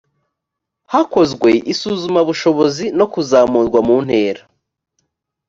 hakozwe isuzumabushobozi no kuzamurwa mu ntera.